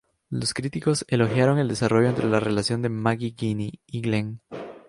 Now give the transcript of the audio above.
Los críticos elogiaron el desarrollo entre la relación entre Maggie Greene y Glenn.